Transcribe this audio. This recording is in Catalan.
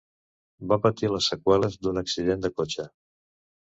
Va patir les seqüeles d'un accident de cotxe.